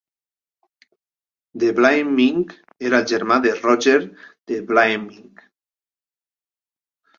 De Vlaeminck era el germà de Roger De Vlaeminck.